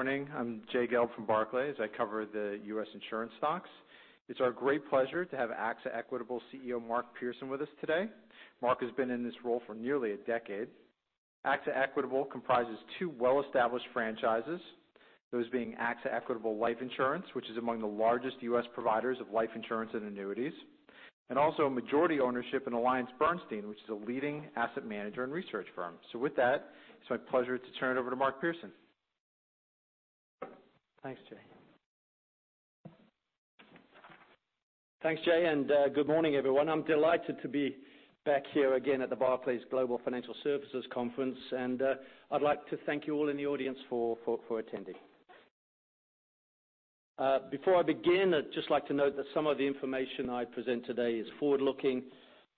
Morning. I'm Jay Gelb from Barclays. I cover the U.S. insurance stocks. It's our great pleasure to have AXA Equitable CEO Mark Pearson with us today. Mark has been in this role for nearly a decade. AXA Equitable comprises two well-established franchises, those being AXA Equitable Life Insurance, which is among the largest U.S. providers of life insurance and annuities, and also majority ownership in AllianceBernstein, which is a leading asset manager and research firm. With that, it's my pleasure to turn it over to Mark Pearson. Thanks, Jay. Thanks, Jay, and good morning, everyone. I'm delighted to be back here again at the Barclays Global Financial Services Conference, and I'd like to thank you all in the audience for attending. Before I begin, I'd just like to note that some of the information I present today is forward-looking,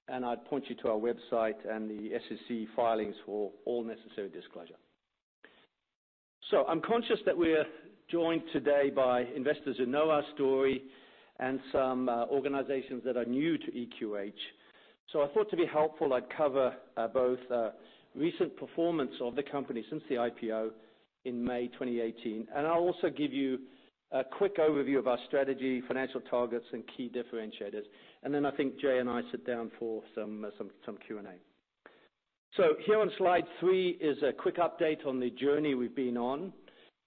and I'd point you to our website and the SEC filings for all necessary disclosure. I'm conscious that we are joined today by investors who know our story and some organizations that are new to EQH. I thought to be helpful, I'd cover both recent performance of the company since the IPO in May 2018, and I'll also give you a quick overview of our strategy, financial targets, and key differentiators. Then I think Jay and I sit down for some Q&A. Here on slide three is a quick update on the journey we've been on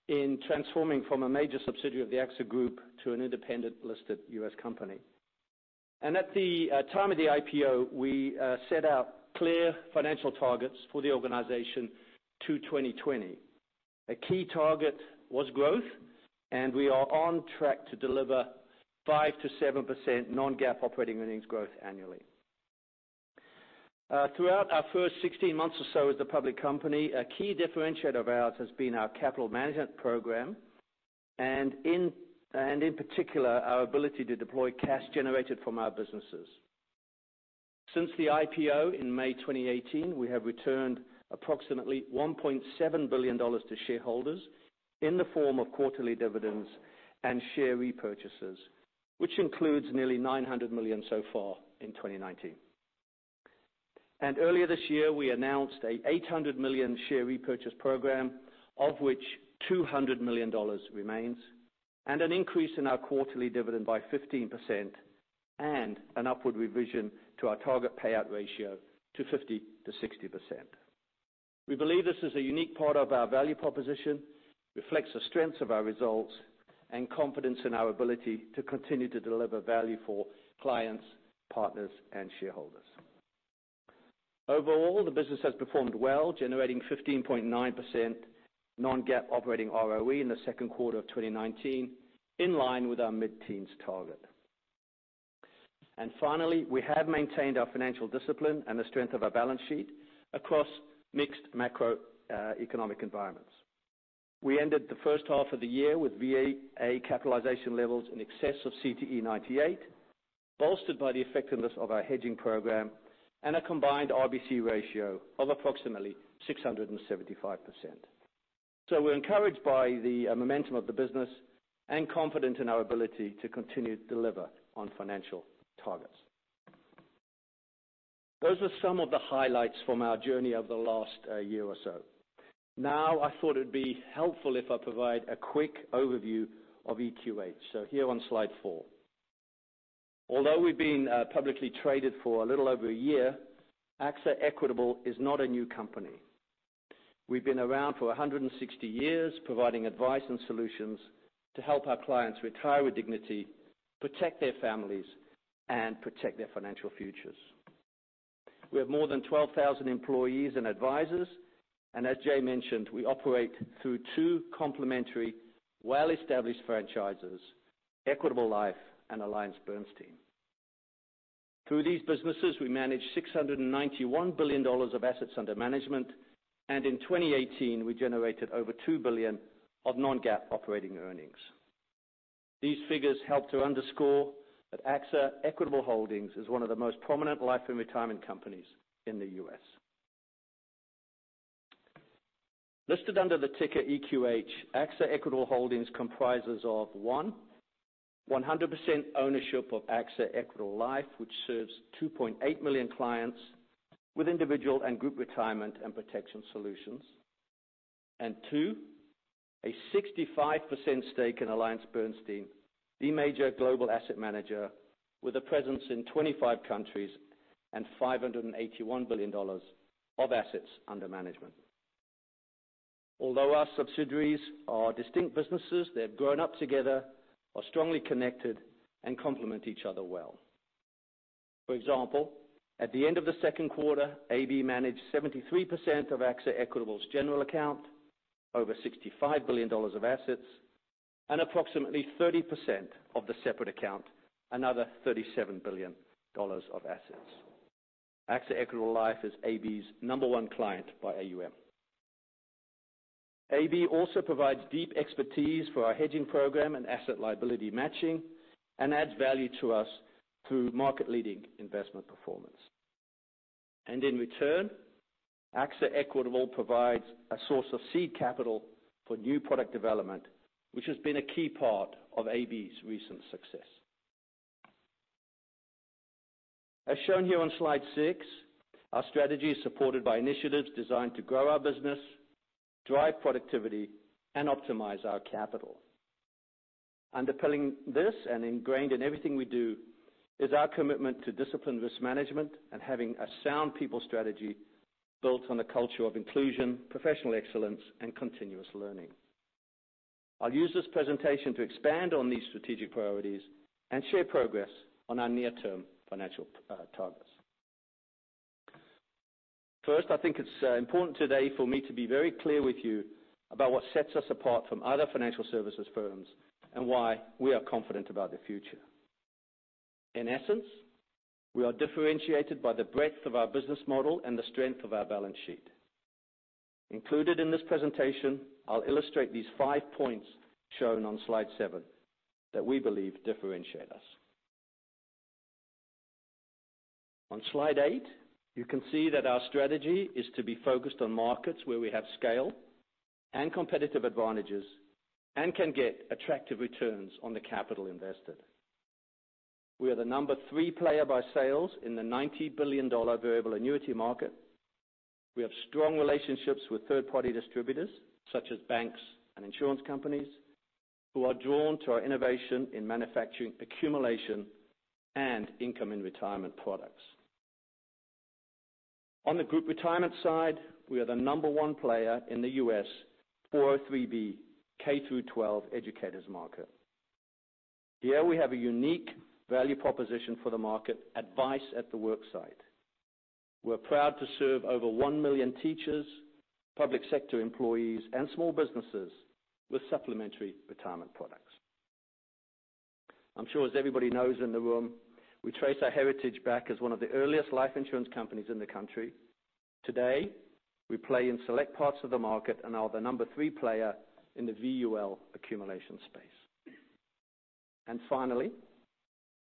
in transforming from a major subsidiary of the AXA Group to an independent listed U.S. company. At the time of the IPO, we set out clear financial targets for the organization to 2020. A key target was growth, and we are on track to deliver 5%-7% non-GAAP operating earnings growth annually. Throughout our first 16 months or so as a public company, a key differentiator of ours has been our capital management program, and in particular, our ability to deploy cash generated from our businesses. Since the IPO in May 2018, we have returned approximately $1.7 billion to shareholders in the form of quarterly dividends and share repurchases, which includes nearly $900 million so far in 2019. Earlier this year, we announced an $800 million share repurchase program, of which $200 million remains, and an increase in our quarterly dividend by 15% and an upward revision to our target payout ratio to 50%-60%. We believe this is a unique part of our value proposition, reflects the strengths of our results, and confidence in our ability to continue to deliver value for clients, partners, and shareholders. Overall, the business has performed well, generating 15.9% non-GAAP operating ROE in the second quarter of 2019, in line with our mid-teens target. Finally, we have maintained our financial discipline and the strength of our balance sheet across mixed macroeconomic environments. We ended the first half of the year with VAA capitalization levels in excess of CTE98, bolstered by the effectiveness of our hedging program and a combined RBC ratio of approximately 675%. We're encouraged by the momentum of the business and confident in our ability to continue to deliver on financial targets. Those are some of the highlights from our journey over the last year or so. I thought it'd be helpful if I provide a quick overview of EQH. Here on slide four. Although we've been publicly traded for a little over a year, AXA Equitable is not a new company. We've been around for 160 years providing advice and solutions to help our clients retire with dignity, protect their families, and protect their financial futures. We have more than 12,000 employees and advisors, and as Jay mentioned, we operate through two complementary, well-established franchises, Equitable Life and AllianceBernstein. Through these businesses, we manage $691 billion of assets under management, and in 2018, we generated over $2 billion of non-GAAP operating earnings. These figures help to underscore that AXA Equitable Holdings is one of the most prominent life and retirement companies in the U.S. Listed under the ticker EQH, AXA Equitable Holdings comprises of 1, 100% ownership of AXA Equitable Life, which serves 2.8 million clients with individual and group retirement and Protection Solutions. 2, a 65% stake in AllianceBernstein, the major global asset manager with a presence in 25 countries and $581 billion of assets under management. Although our subsidiaries are distinct businesses, they've grown up together, are strongly connected, and complement each other well. For example, at the end of the second quarter, AB managed 73% of AXA Equitable's general account, over $65 billion of assets, and approximately 30% of the separate account, another $37 billion of assets. AXA Equitable Life is AB's number 1 client by AUM. AB also provides deep expertise for our hedging program and asset liability matching and adds value to us through market leading investment performance. In return, AXA Equitable provides a source of seed capital for new product development, which has been a key part of AB's recent success. As shown here on slide six, our strategy is supported by initiatives designed to grow our business, drive productivity, and optimize our capital. Underpinning this and ingrained in everything we do, is our commitment to disciplined risk management and having a sound people strategy built on a culture of inclusion, professional excellence, and continuous learning. I'll use this presentation to expand on these strategic priorities and share progress on our near-term financial targets. First, I think it's important today for me to be very clear with you about what sets us apart from other financial services firms and why we are confident about the future. In essence, we are differentiated by the breadth of our business model and the strength of our balance sheet. Included in this presentation, I'll illustrate these five points shown on slide seven that we believe differentiate us. On slide eight, you can see that our strategy is to be focused on markets where we have scale and competitive advantages and can get attractive returns on the capital invested. We are the number 3 player by sales in the $90 billion variable annuity market. We have strong relationships with third-party distributors, such as banks and insurance companies, who are drawn to our innovation in manufacturing accumulation and income in retirement products. On the group retirement side, we are the number 1 player in the U.S. 403(b) K-12 educators market. Here we have a unique value proposition for the market, advice at the worksite. We're proud to serve over 1 million teachers, public sector employees, and small businesses with supplementary retirement products. I'm sure as everybody knows in the room, we trace our heritage back as one of the earliest life insurance companies in the country. Today, we play in select parts of the market and are the number 3 player in the VUL accumulation space. Finally,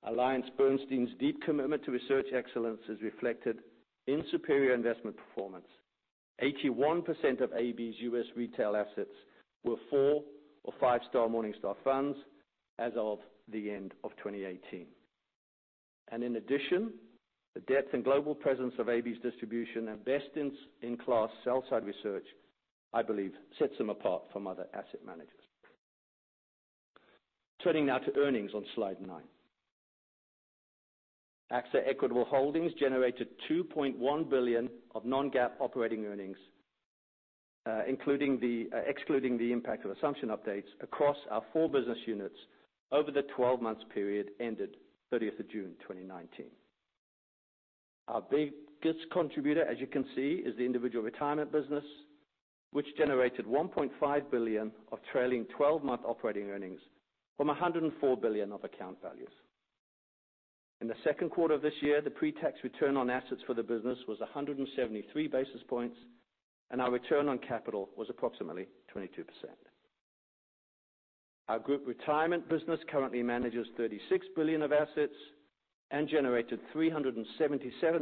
AllianceBernstein's deep commitment to research excellence is reflected in superior investment performance. 81% of AB's U.S. retail assets were four or five-star Morningstar funds as of the end of 2018. In addition, the depth and global presence of AB's distribution and best-in-class sell-side research, I believe sets them apart from other asset managers. Turning now to earnings on slide nine. AXA Equitable Holdings generated $2.1 billion of non-GAAP operating earnings, excluding the impact of assumption updates across our four business units over the 12-month period ended 30th of June 2019. Our biggest contributor, as you can see, is the individual retirement business, which generated $1.5 billion of trailing 12-month operating earnings from $104 billion of account values. In the second quarter of this year, the pre-tax return on assets for the business was 173 basis points, and our return on capital was approximately 22%. Our group retirement business currently manages $36 billion of assets and generated $377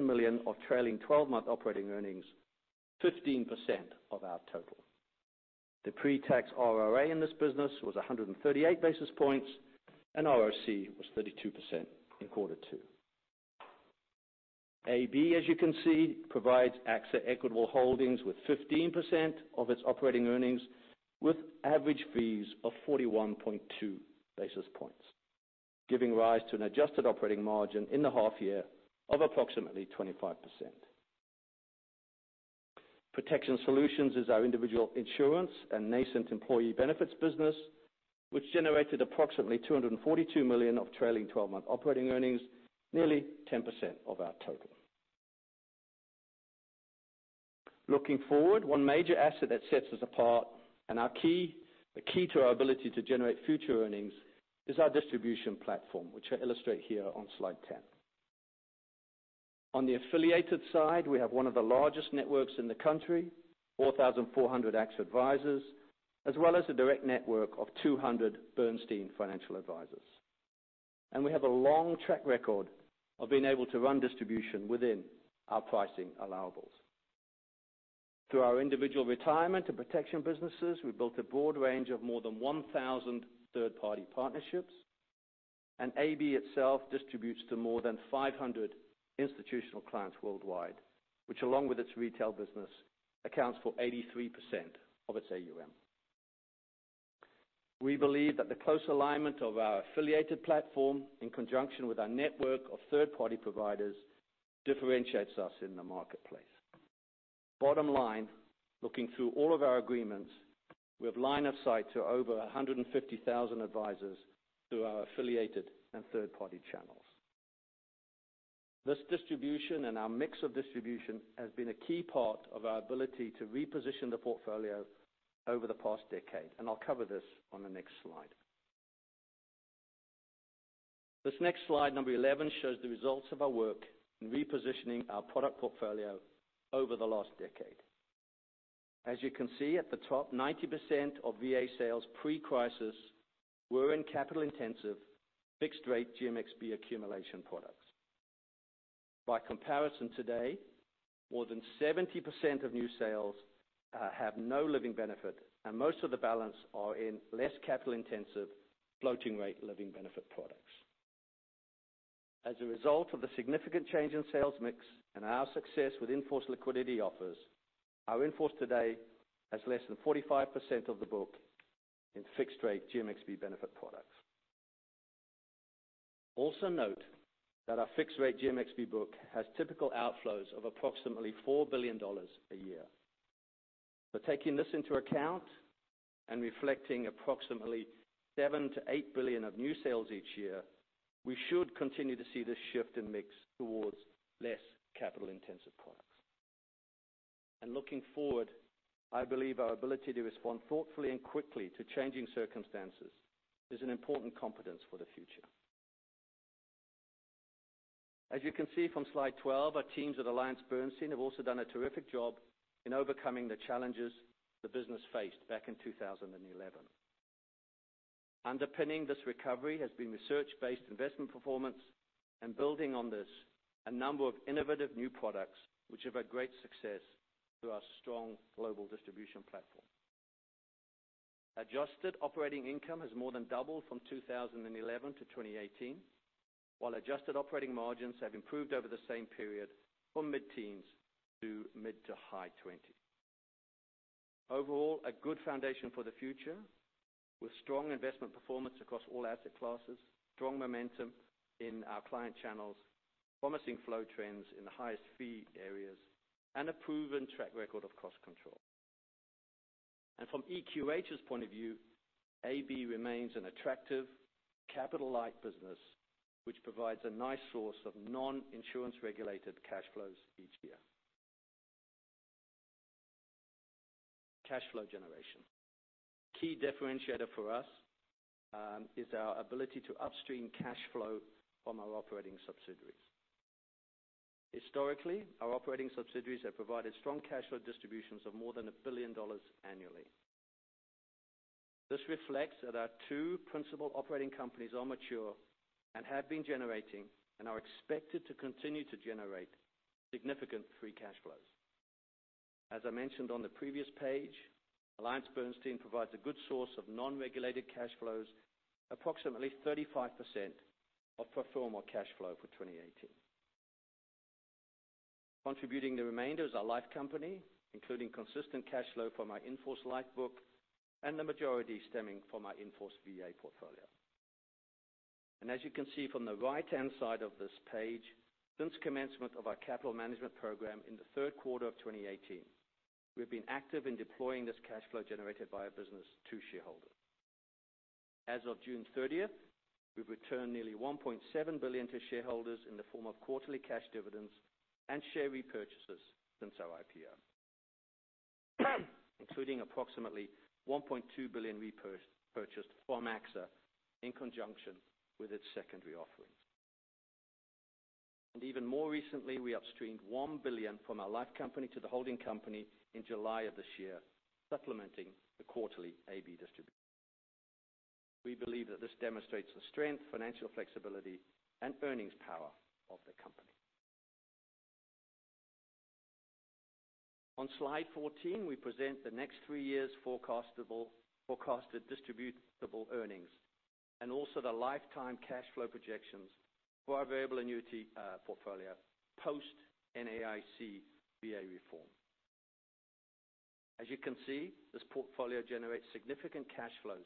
million of trailing 12-month operating earnings, 15% of our total. The pre-tax ROA in this business was 138 basis points, and ROC was 32% in quarter two. AB, as you can see, provides AXA Equitable Holdings with 15% of its operating earnings, with average fees of 41.2 basis points, giving rise to an adjusted operating margin in the half year of approximately 25%. Protection Solutions is our individual insurance and nascent employee benefits business, which generated approximately $242 million of trailing 12-month operating earnings, nearly 10% of our total. Looking forward, one major asset that sets us apart and the key to our ability to generate future earnings is our distribution platform, which I illustrate here on slide 10. On the affiliated side, we have one of the largest networks in the country, 4,400 AXA Advisors, as well as a direct network of 200 Bernstein Financial Advisors. We have a long track record of being able to run distribution within our pricing allowables. Through our individual retirement and protection businesses, we've built a broad range of more than 1,000 third-party partnerships. AB itself distributes to more than 500 institutional clients worldwide, which along with its retail business, accounts for 83% of its AUM. We believe that the close alignment of our affiliated platform, in conjunction with our network of third-party providers, differentiates us in the marketplace. Bottom line, looking through all of our agreements, we have line of sight to over 150,000 advisors through our affiliated and third-party channels. This distribution and our mix of distribution has been a key part of our ability to reposition the portfolio over the past decade. I'll cover this on the next slide. This next slide, number 11, shows the results of our work in repositioning our product portfolio over the last decade. As you can see at the top, 90% of VA sales pre-crisis were in capital intensive, fixed rate GMXB accumulation products. By comparison today, more than 70% of new sales have no living benefit, and most of the balance are in less capital intensive, floating rate living benefit products. As a result of the significant change in sales mix and our success with in-force liquidity offers, our in-force today has less than 45% of the book in fixed rate GMXB benefit products. Also note that our fixed rate GMXB book has typical outflows of approximately $4 billion a year. By taking this into account and reflecting approximately $7 billion to $8 billion of new sales each year, we should continue to see this shift in mix towards less capital intensive products. Looking forward, I believe our ability to respond thoughtfully and quickly to changing circumstances is an important competence for the future. As you can see from slide 12, our teams at AllianceBernstein have also done a terrific job in overcoming the challenges the business faced back in 2011. Underpinning this recovery has been research-based investment performance and building on this, a number of innovative new products, which have had great success through our strong global distribution platform. Adjusted operating income has more than doubled from 2011 to 2018. While adjusted operating margins have improved over the same period from mid-teens to mid to high 20%. Overall, a good foundation for the future with strong investment performance across all asset classes, strong momentum in our client channels, promising flow trends in the highest fee areas, and a proven track record of cost control. From EQH's point of view, AB remains an attractive capital light business, which provides a nice source of non-insurance regulated cash flows each year. Cash flow generation. Key differentiator for us, is our ability to upstream cash flow from our operating subsidiaries. Historically, our operating subsidiaries have provided strong cash flow distributions of more than $1 billion annually. This reflects that our two principal operating companies are mature and have been generating, and are expected to continue to generate significant free cash flows. As I mentioned on the previous page, AllianceBernstein provides a good source of non-regulated cash flows, approximately 35% of pro forma cash flow for 2018. Contributing the remainder is our life company, including consistent cash flow from our in-force life book, and the majority stemming from our in-force VA portfolio. As you can see from the right-hand side of this page, since commencement of our capital management program in the third quarter of 2018, we've been active in deploying this cash flow generated by our business to shareholders. As of June 30th, we've returned nearly $1.7 billion to shareholders in the form of quarterly cash dividends and share repurchases since our IPO. Including approximately $1.2 billion repurchased from AXA in conjunction with its secondary offerings. Even more recently, we upstreamed $1 billion from our life company to the holding company in July of this year, supplementing the quarterly AB distribution. We believe that this demonstrates the strength, financial flexibility, and earnings power of the company. On slide 14, we present the next three years forecasted distributable earnings, and also the lifetime cash flow projections for our variable annuity portfolio post NAIC VA reform. As you can see, this portfolio generates significant cash flows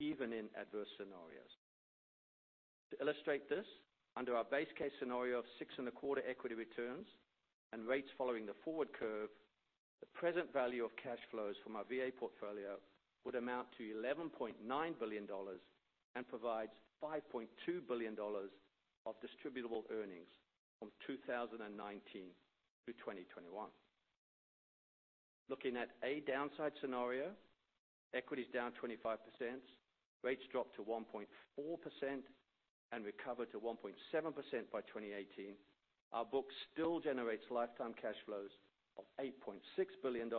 even in adverse scenarios. To illustrate this, under our base case scenario of six and a quarter equity returns and rates following the forward curve, the present value of cash flows from our VA portfolio would amount to $11.9 billion and provides $5.2 billion of distributable earnings from 2019 through 2021. Looking at a downside scenario, equities down 25%, rates dropped to 1.4% and recover to 1.7% by 2018. Our book still generates lifetime cash flows of $8.6 billion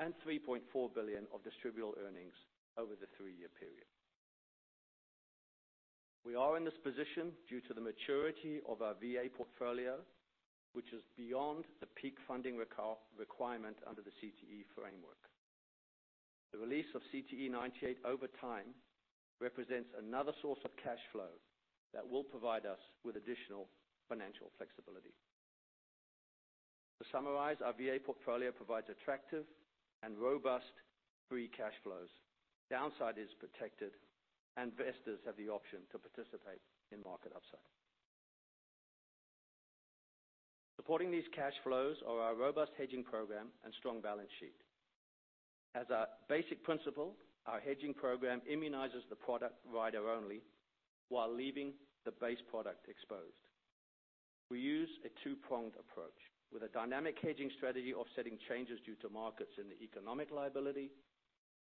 and $3.4 billion of distributable earnings over the three-year period. We are in this position due to the maturity of our VA portfolio, which is beyond the peak funding requirement under the CTE framework. The release of CTE98 over time represents another source of cash flow that will provide us with additional financial flexibility. To summarize, our VA portfolio provides attractive and robust free cash flows. Downside is protected, and investors have the option to participate in market upside. Supporting these cash flows are our robust hedging program and strong balance sheet. As a basic principle, our hedging program immunizes the product rider only, while leaving the base product exposed. We use a two-pronged approach with a dynamic hedging strategy offsetting changes due to markets in the economic liability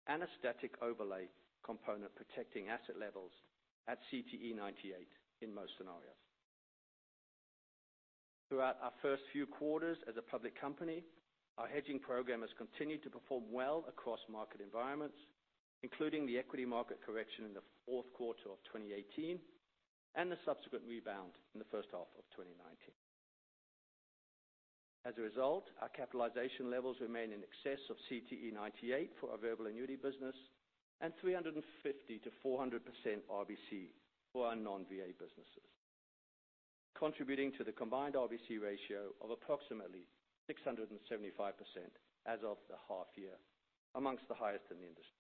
and a static overlay component protecting asset levels at CTE98 in most scenarios. Throughout our first few quarters as a public company, our hedging program has continued to perform well across market environments, including the equity market correction in the fourth quarter of 2018. The subsequent rebound in the first half of 2019. As a result, our capitalization levels remain in excess of CTE98 for our variable annuity business, and 350%-400% RBC for our non-VA businesses. Contributing to the combined RBC ratio of approximately 675% as of the half year, amongst the highest in the industry.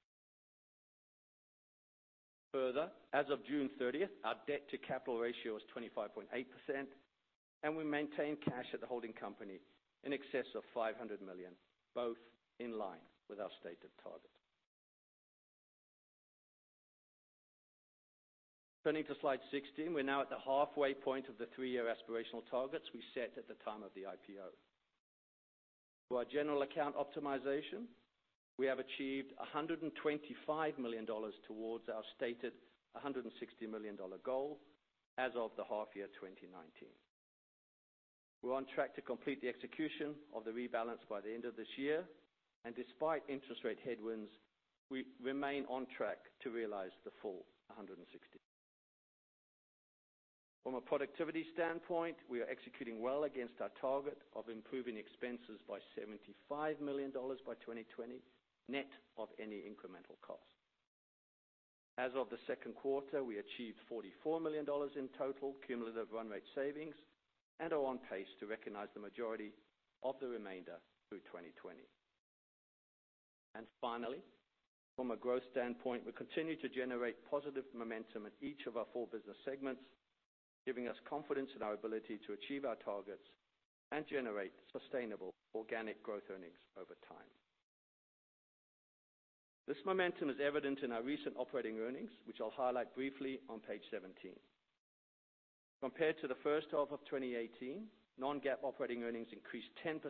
Further, as of June 30th, our debt to capital ratio is 25.8%, and we maintain cash at the holding company in excess of $500 million, both in line with our stated target. Turning to slide 16, we are now at the halfway point of the three-year aspirational targets we set at the time of the IPO. Through our general account optimization, we have achieved $125 million towards our stated $160 million goal as of the half year 2019. We are on track to complete the execution of the rebalance by the end of this year. Despite interest rate headwinds, we remain on track to realize the full $160. From a productivity standpoint, we are executing well against our target of improving expenses by $75 million by 2020, net of any incremental cost. As of the second quarter, we achieved $44 million in total cumulative run rate savings and are on pace to recognize the majority of the remainder through 2020. Finally, from a growth standpoint, we continue to generate positive momentum in each of our four business segments, giving us confidence in our ability to achieve our targets and generate sustainable organic growth earnings over time. This momentum is evident in our recent operating earnings, which I will highlight briefly on page 17. Compared to the first half of 2018, non-GAAP operating earnings increased 10%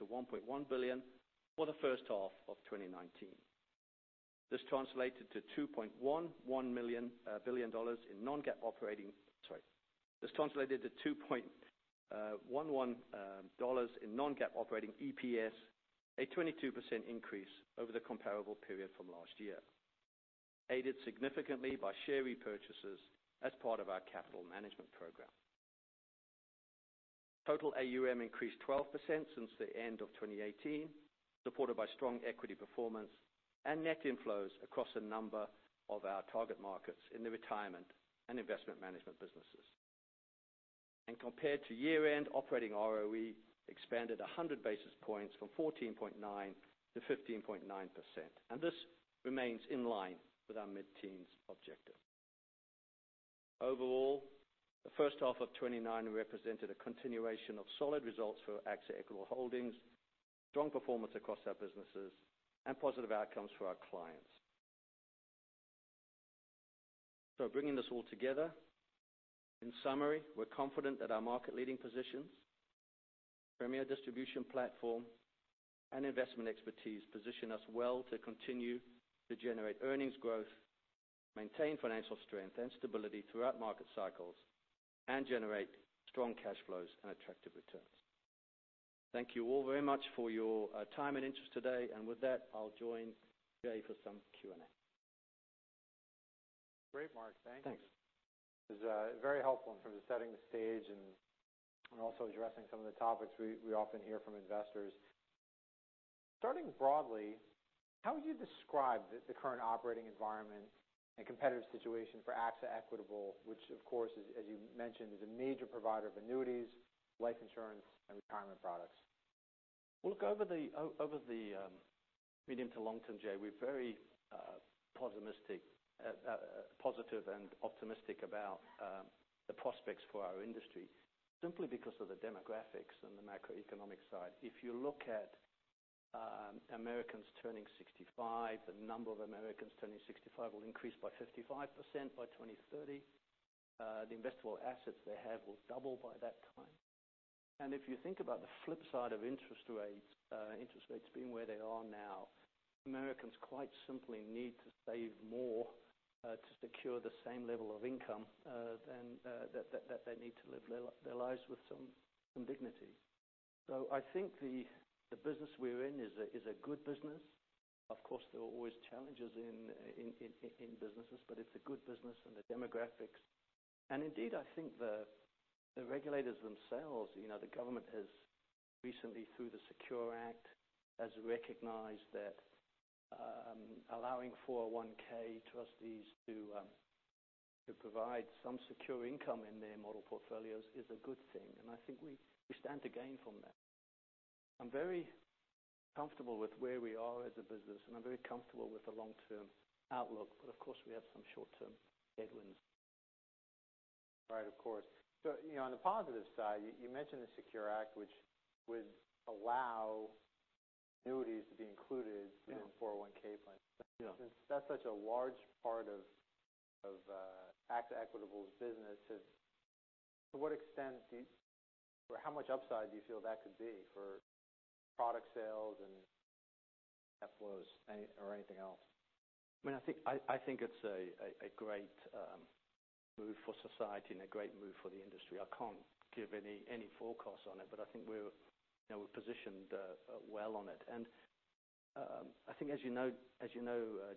to $1.1 billion for the first half of 2019. This translated to $2.11 in non-GAAP operating EPS, a 22% increase over the comparable period from last year, aided significantly by share repurchases as part of our capital management program. Total AUM increased 12% since the end of 2018, supported by strong equity performance and net inflows across a number of our target markets in the retirement and investment management businesses. Compared to year-end operating ROE, expanded 100 basis points from 14.9%-15.9%, and this remains in line with our mid-teens objective. Overall, the first half of 2019 represented a continuation of solid results for AXA Equitable Holdings, strong performance across our businesses, and positive outcomes for our clients. Bringing this all together, in summary, we're confident that our market-leading positions, premier distribution platform, and investment expertise position us well to continue to generate earnings growth, maintain financial strength and stability throughout market cycles, and generate strong cash flows and attractive returns. Thank you all very much for your time and interest today. With that, I'll join Jay for some Q&A. Great, Mark. Thank you. Thanks. It was very helpful in terms of setting the stage and also addressing some of the topics we often hear from investors. Starting broadly, how would you describe the current operating environment and competitive situation for AXA Equitable, which of course, as you mentioned, is a major provider of annuities, life insurance, and retirement products? Well, look, over the medium to long term, Jay, we're very positive and optimistic about the prospects for our industry, simply because of the demographics and the macroeconomic side. If you look at Americans turning 65, the number of Americans turning 65 will increase by 55% by 2030. The investable assets they have will double by that time. If you think about the flip side of interest rates being where they are now, Americans quite simply need to save more, to secure the same level of income that they need to live their lives with some dignity. I think the business we are in is a good business. Of course, there are always challenges in businesses, but it's a good business and the demographics. Indeed, I think the regulators themselves, the government has recently through the SECURE Act, has recognized that allowing 401 trustees to provide some secure income in their model portfolios is a good thing. I think we stand to gain from that. I'm very comfortable with where we are as a business, and I'm very comfortable with the long-term outlook. Of course, we have some short-term headwinds. Right. Of course. On the positive side, you mentioned the SECURE Act, which would allow annuities to be included Yeah in 401 plans. Yeah. Since that's such a large part of AXA Equitable's business, to what extent do you, or how much upside do you feel that could be for product sales and outflows or anything else? I think it's a great move for society and a great move for the industry. I can't give any forecasts on it, but I think we're positioned well on it. I think as you know,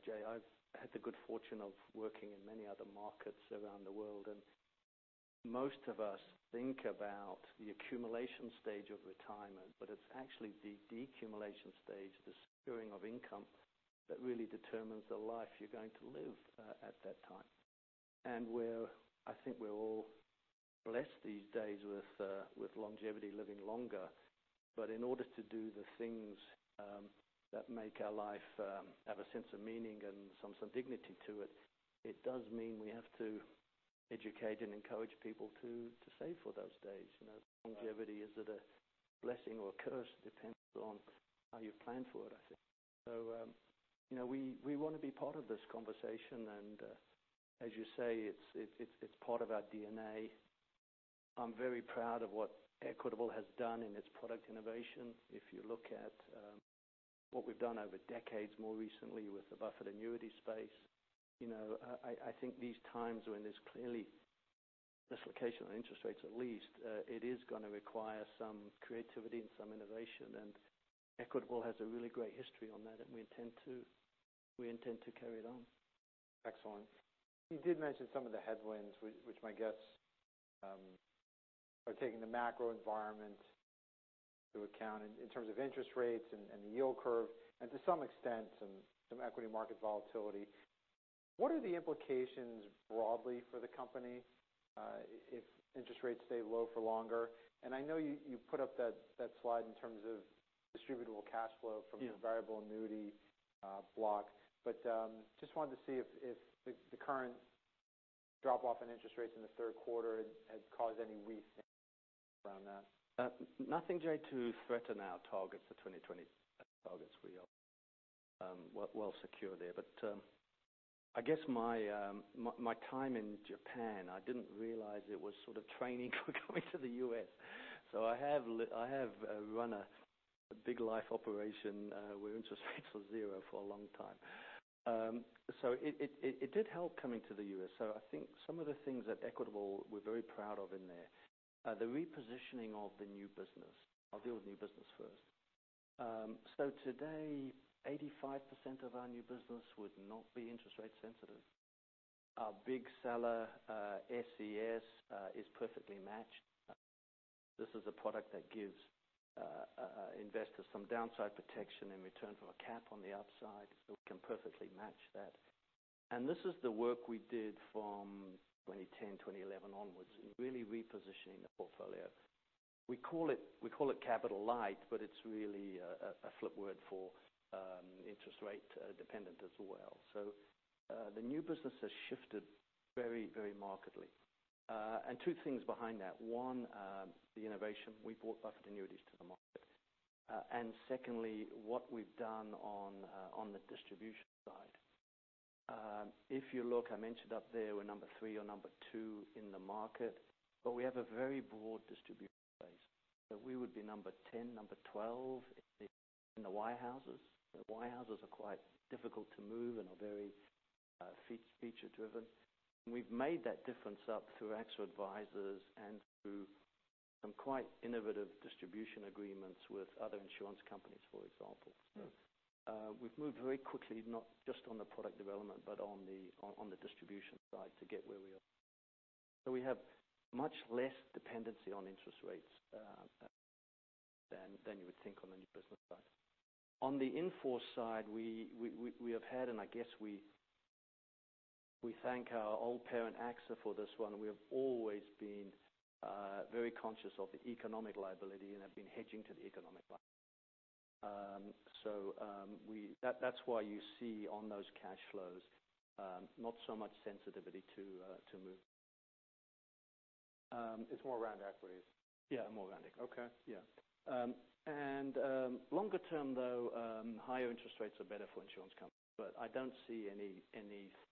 Jay, I've had the good fortune of working in many other markets around the world, and most of us think about the accumulation stage of retirement, but it's actually the deaccumulation stage, the spewing of income, that really determines the life you're going to live at that time. I think we're all blessed these days with longevity, living longer. In order to do the things that make our life have a sense of meaning and some dignity to it does mean we have to educate and encourage people to save for those days. Longevity, is it a blessing or a curse? Depends on how you plan for it, I think. We want to be part of this conversation, and, as you say, it's part of our DNA. I'm very proud of what Equitable has done in its product innovation. If you look at what we've done over decades, more recently with the buffered annuity space. I think these times when there's clearly misallocation of interest rates, at least, it is going to require some creativity and some innovation. Equitable has a really great history on that, and we intend to carry it on. Excellent. You did mention some of the headwinds, which my guess, are taking the macro environment into account in terms of interest rates and the yield curve and to some extent, some equity market volatility. What are the implications broadly for the company, if interest rates stay low for longer? I know you put up that slide in terms of distributable cash flow from- Yeah your variable annuity block. Just wanted to see if the current drop-off in interest rates in the third quarter had caused any rethink around that. Nothing, Jay, to threaten our targets for 2020. That's all. Guess we are well secure there. I guess my time in Japan, I didn't realize it was sort of training for coming to the U.S. I have run a big life operation, where interest rates were zero for a long time. It did help coming to the U.S. I think some of the things that Equitable, we're very proud of in there, the repositioning of the new business. I'll deal with new business first. Today, 85% of our new business would not be interest rate sensitive. Our big seller, SCS, is perfectly matched. This is a product that gives investors some downside protection in return for a cap on the upside, so we can perfectly match that. This is the work we did from 2010, 2011 onwards in really repositioning the portfolio. We call it capital light, but it's really a flip word for interest rate dependent as well. The new business has shifted very markedly. Two things behind that. One, the innovation. We brought buffered annuities to the market. Secondly, what we've done on the distribution side. If you look, I mentioned up there we're number three or number two in the market, but we have a very broad distribution base. We would be number 10, number 12 in the wirehouses. The wirehouses are quite difficult to move and are very feature driven. We've made that difference up through AXA Advisors and through some quite innovative distribution agreements with other insurance companies, for example. We've moved very quickly, not just on the product development, but on the distribution side to get where we are. We have much less dependency on interest rates than you would think on the new business side. On the in-force side, we have had, and I guess we thank our old parent, AXA, for this one. We have always been very conscious of the economic liability and have been hedging to the economic liability. That's why you see on those cash flows, not so much sensitivity to movement. It's more around equities. Yeah, more around equities. Okay. Yeah. Longer term though, higher interest rates are better for insurance companies, but I don't see any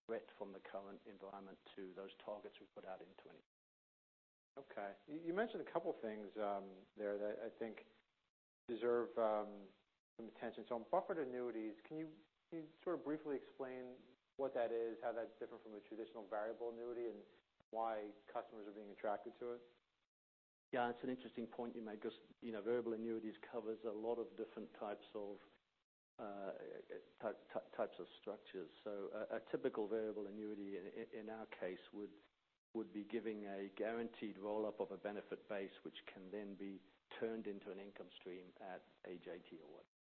threat from the current environment to those targets we've put out in 2020. Okay. You mentioned a couple of things there that I think deserve some attention. On buffered annuities, can you sort of briefly explain what that is, how that's different from a traditional variable annuity, and why customers are being attracted to it? Yeah. It's an interesting point you make because variable annuities covers a lot of different types of structures. A typical variable annuity in our case, would be giving a guaranteed roll-up of a benefit base, which can then be turned into an income stream at age 80 or whatever.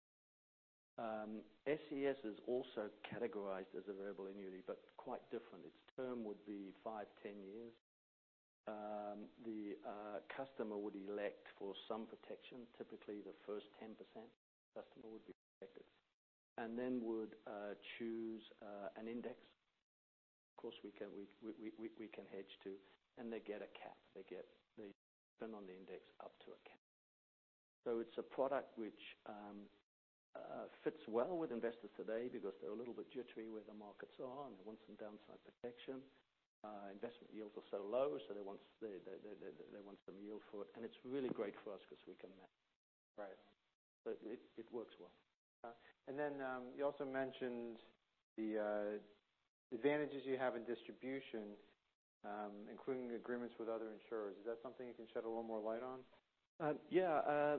SCS is also categorized as a variable annuity, but quite different. Its term would be 5, 10 years. The customer would elect for some protection. Typically, the first 10% customer would be protected, and then would choose an index. Of course, we can hedge too, and they get a cap. They spend on the index up to a cap. It's a product which fits well with investors today because they're a little bit jittery where the markets are, and they want some downside protection. Investment yields are so low, so they want some yield for it. It's really great for us because we can manage. Right. It works well. You also mentioned the advantages you have in distribution, including agreements with other insurers. Is that something you can shed a little more light on? Yeah.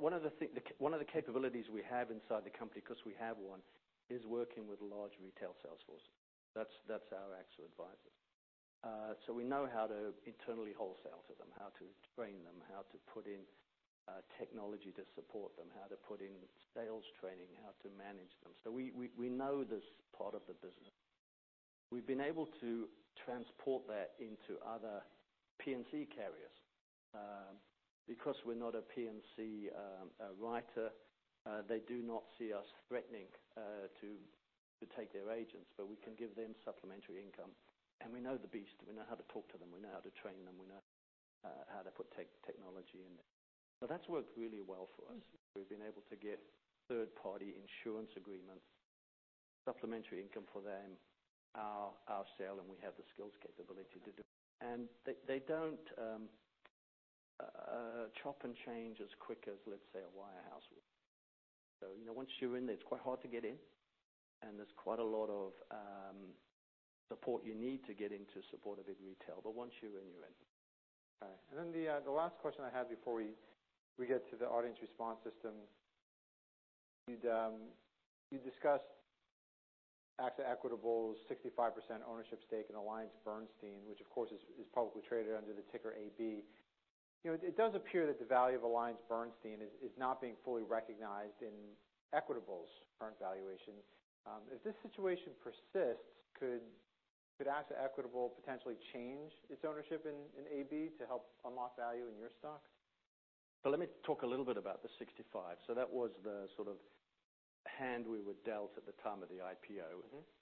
One of the capabilities we have inside the company, because we have one, is working with large retail sales force. That's our AXA Advisor. We know how to internally wholesale to them, how to train them, how to put in technology to support them, how to put in sales training, how to manage them. We know this part of the business. We've been able to transport that into other P&C carriers. Because we're not a P&C writer, they do not see us threatening to take their agents, but we can give them supplementary income. We know the beast. We know how to talk to them. We know how to train them. We know how to put technology in. That's worked really well for us. We've been able to get third-party insurance agreements, supplementary income for them, our sale, and we have the skills capability to do it. They don't chop and change as quick as, let's say, a wirehouse will. Once you're in there, it's quite hard to get in, and there's quite a lot of support you need to get in to support a big retail. Once you're in, you're in. All right. The last question I have before we get to the audience response system. You discussed AXA Equitable's 65% ownership stake in AllianceBernstein, which of course, is publicly traded under the ticker AB. It does appear that the value of AllianceBernstein is not being fully recognized in Equitable's current valuation. If this situation persists, could AXA Equitable potentially change its ownership in AB to help unlock value in your stock? Let me talk a little bit about the 65. That was the sort of hand we were dealt at the time of the IPO.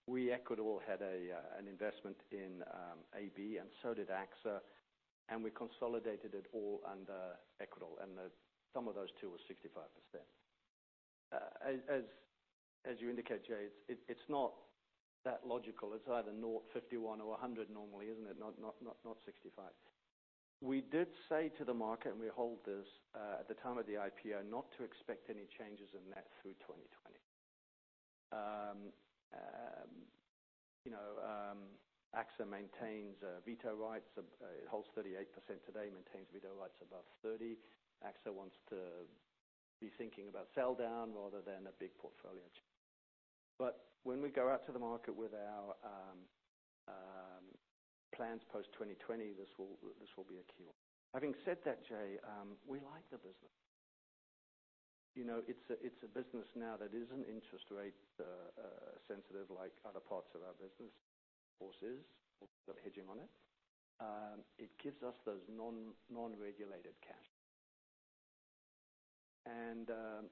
We, Equitable, had an investment in AB and so did AXA, and we consolidated it all under Equitable, and the sum of those two was 65%. As you indicate, Jay, it's not that logical. It's either naught, 51 or 100 normally, isn't it? Not 65. We did say to the market, we hold this at the time of the IPO, not to expect any changes in that through 2020. AXA maintains veto rights, holds 38% today, maintains veto rights above 30. AXA wants to be thinking about sell down rather than a big portfolio change. When we go out to the market with our plans post 2020, this will be our cue. Having said that, Jay, we like the business. It's a business now that isn't interest rate sensitive like other parts of our business, of course is. We've got hedging on it. It gives us those non-regulated cash.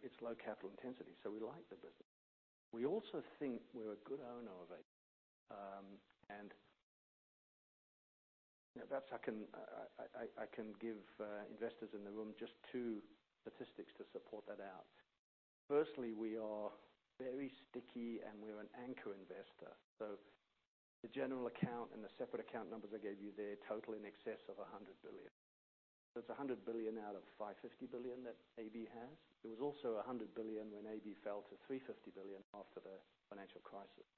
It's low capital intensity, we like the business. We also think we're a good owner of it. Perhaps I can give investors in the room just two statistics to support that out. Firstly, we are very sticky, and we're an anchor investor. The general account and the separate account numbers I gave you there total in excess of $100 billion. It's $100 billion out of $550 billion that AB has. It was also $100 billion when AB fell to $350 billion after the financial crisis.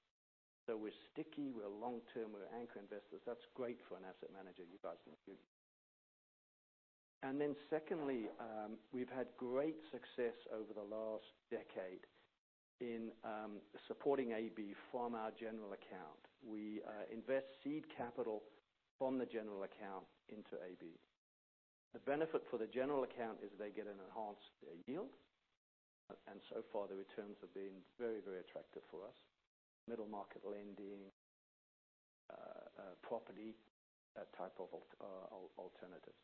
We're sticky, we're long-term, we're anchor investors. That's great for an asset manager. You guys know the business. Secondly, we've had great success over the last decade in supporting AB from our general account. We invest seed capital from the general account into AB. The benefit for the general account is they get an enhanced yield, and so far, the returns have been very attractive for us. Middle market lending, property, that type of alternative.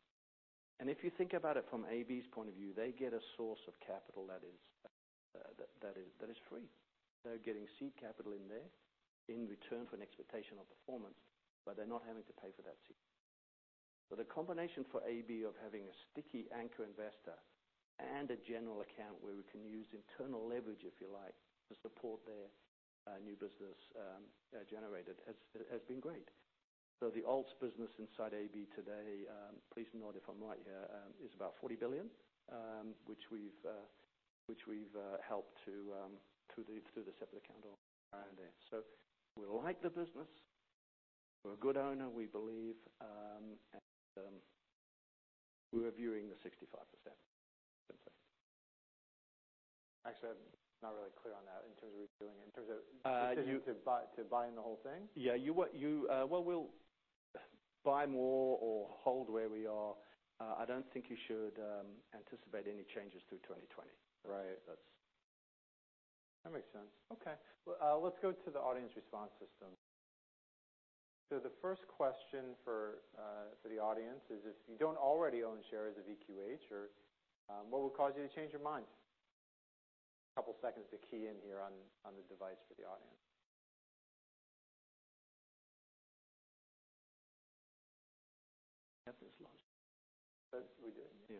If you think about it from AB's point of view, they get a source of capital that is free. They're getting seed capital in there in return for an expectation of performance, but they're not having to pay for that seed. The combination for AB of having a sticky anchor investor and a general account where we can use internal leverage, if you like, to support their new business generated has been great. The alts business inside AB today, please nod if I'm right here, is about $40 billion, which we've helped through the separate account around there. We like the business. We're a good owner, we believe, and we're reviewing the 65%. That's it. Actually, I'm not really clear on that in terms of reviewing it. In terms of- You- continuing to buying the whole thing? Yeah. We'll buy more or hold where we are. I don't think you should anticipate any changes through 2020. Right. That makes sense. Okay. Let's go to the audience response system. The first question for the audience is, if you don't already own shares of EQH, what would cause you to change your mind? A couple seconds to key in here on the device for the audience. I think it's launched. We did. Yeah.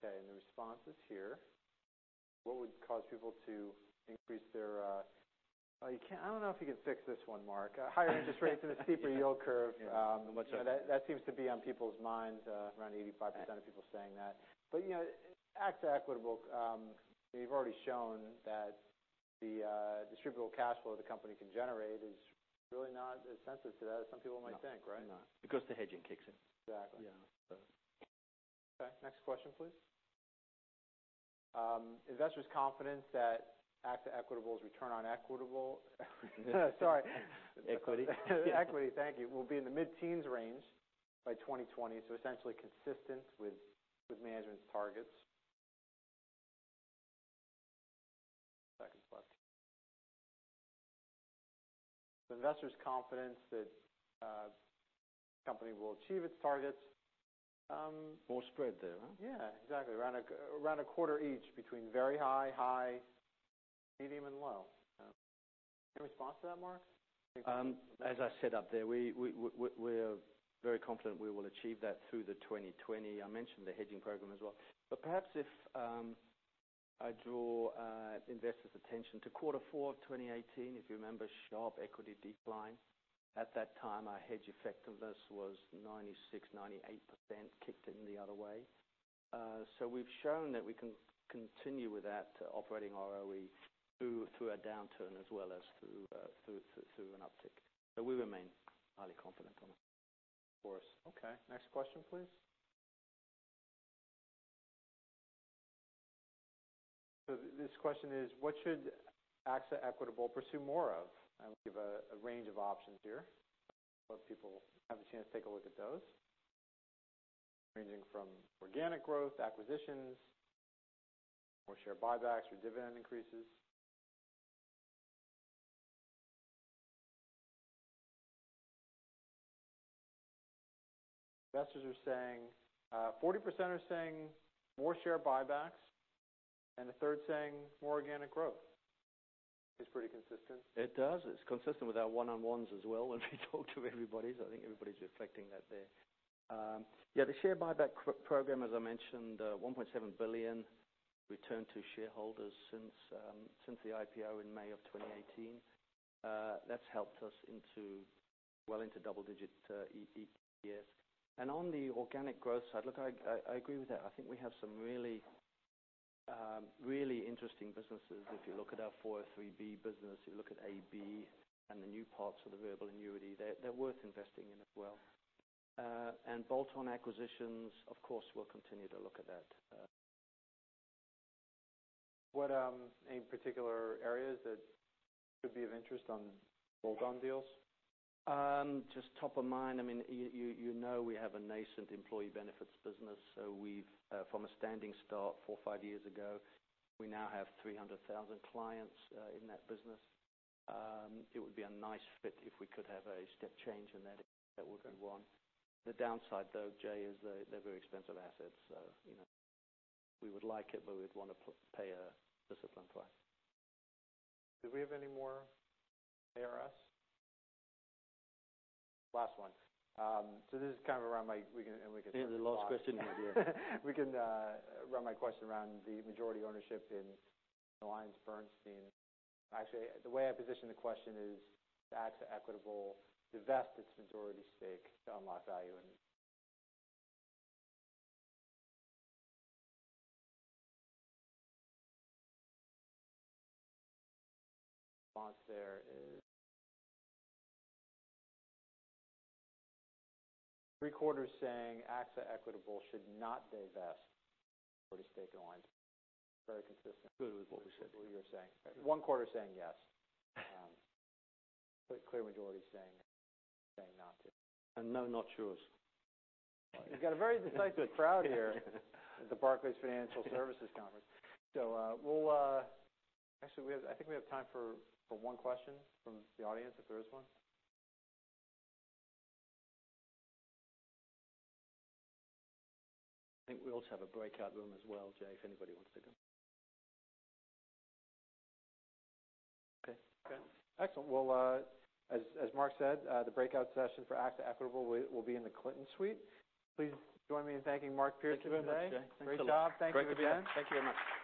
Okay, the response is here. What would cause people to increase their I don't know if you can fix this one, Mark. A higher interest rate and a steeper yield curve. Yeah. Much better. That seems to be on people's minds. Around 85% of people saying that. AXA Equitable, you've already shown that The distributable cash flow the company can generate is really not as sensitive to that as some people might think, right? No. Because the hedging kicks in. Exactly. Yeah. Okay, next question, please. Investors' confidence that AXA Equitable's return on Sorry. Equity. Equity, thank you, will be in the mid-teens range by 2020, so essentially consistent with management's targets. Second slide. Investors' confidence that the company will achieve its targets. More spread there, huh? Yeah, exactly. Around a quarter each between very high, high, medium, and low. Any response to that, Mark? As I said up there, we're very confident we will achieve that through 2020. I mentioned the hedging program as well. Perhaps if I draw investors' attention to quarter four of 2018, if you remember, sharp equity decline. At that time, our hedge effectiveness was 96%, 98%, kicked in the other way. We've shown that we can continue with that operating ROE through a downturn as well as through an uptick. We remain highly confident on it. Of course. Okay, next question, please. This question is, what should AXA Equitable pursue more of? We give a range of options here. Let people have a chance to take a look at those. Ranging from organic growth, acquisitions, more share buybacks or dividend increases. Investors, 40% are saying more share buybacks, and a third saying more organic growth. It's pretty consistent. It does. It's consistent with our one-on-ones as well, when we talk to everybody. I think everybody's reflecting that there. Yeah, the share buyback program, as I mentioned, $1.7 billion returned to shareholders since the IPO in May of 2018. That's helped us well into double-digit EPS. On the organic growth side, look, I agree with that. I think we have some really interesting businesses. If you look at our 403(b) business, you look at AllianceBernstein and the new parts of the variable annuity, they're worth investing in as well. Bolt-on acquisitions, of course, we'll continue to look at that. What particular areas that could be of interest on bolt-on deals? Just top of mind, you know we have a nascent employee benefits business, from a standing start four, five years ago, we now have 300,000 clients in that business. It would be a nice fit if we could have a step change in that. That would be one. The downside, though, Jay, is they're very expensive assets. We would like it, but we'd want to pay a disciplined price. Do we have any more ARS? Last one. This is around my. We can end. The last question here. We can run my question around the majority ownership in AllianceBernstein. Actually, the way I position the question is if AXA Equitable divests its majority stake to unlock value in response there is three-quarters saying AXA Equitable should not divest majority stake in Alliance. Very consistent. Good with what we said. With what you're saying. One-quarter saying yes. Clear majority saying not to. No not yours. We've got a very decisive crowd here at the Barclays Financial Services Conference. Actually, I think we have time for one question from the audience if there is one. I think we also have a breakout room as well, Jay, if anybody wants to go. Okay. Okay. Excellent. Well, as Mark said, the breakout session for AXA Equitable will be in the Clinton Suite. Please join me in thanking Mark Pearson today. Thank you very much, Jay. Great job. Thank you again. Great to be here. Thank you very much.